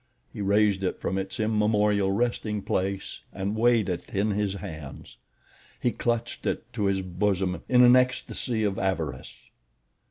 He raised it from its immemorial resting place and weighed it in his hands. He clutched it to his bosom in an ecstasy of avarice.